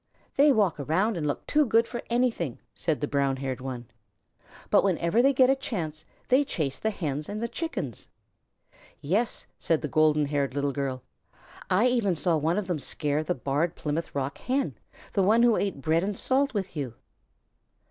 "They walk around and look too good for anything," said the brown haired one, "but whenever they get a chance they chase the Hens and the Chickens." "Yes," said the golden haired Little Girl, "I even saw one of them scare the Barred Plymouth Rock Hen, the one who ate bread and salt with you."